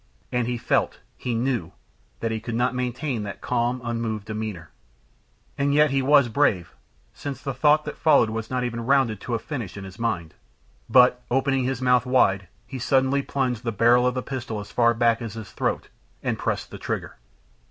And he felt, he knew, that he could not maintain that calm, unmoved demeanor. And yet he was brave, since the thought that followed was not even rounded to a finish in his mind; but, opening his mouth wide, he suddenly plunged the barrel of the pistol as far back as his throat, and pressed the trigger.